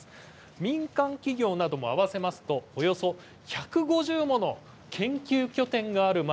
民間企業なども合わせますと、およそ１５０もの研究拠点がある街。